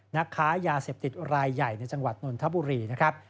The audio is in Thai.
นักค้ายาเสพติดรายใหญ่ในจังหวัดนนทบุรีนะครับ